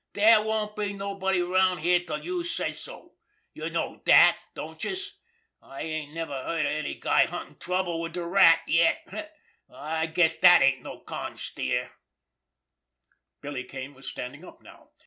Dere won't be nobody around here till youse says so—youse know dat, don't youse? I ain't never heard of any guy huntin' trouble wid de Rat yet—an' I guess dat ain't no con steer!" Billy Kane was standing up now.